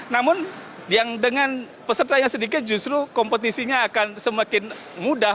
namun yang dengan peserta yang sedikit justru kompetisinya akan semakin mudah